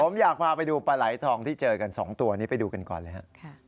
ผมอยากพาไปดูปลาไหลทองที่เจอกัน๒ตัวนี้ไปดูกันก่อนเลยฮะ